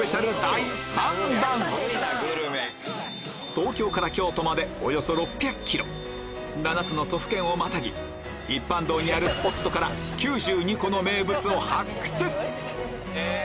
東京から京都までおよそ６００ｋｍ７つの都府県をまたぎ一般道にあるスポットからを発掘！